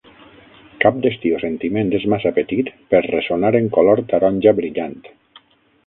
Cap destí o sentiment és massa petit per ressonar en color taronja brillant.